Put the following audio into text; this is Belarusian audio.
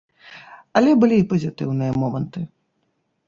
Але былі і пазітыўныя моманты.